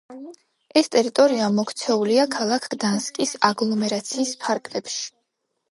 ეს ტერიტორია მოქცეულია ქალაქ გდანსკის აგლომერაციის ფარგლებში.